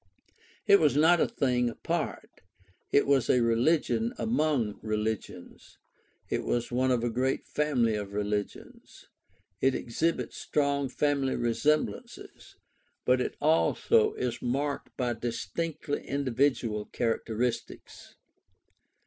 It was not a thing apart; it was a religion among religions; it was one of a great family of religions. It exhibits strong family resemblances; but it also is marked by distinctly individual characteristics.